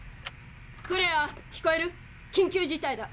クレア聞こえる？緊急事態だ。